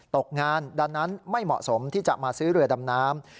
ตกงานดังนั้นไม่เหมาะสมที่จะมาซื้อเรือดำน้ำ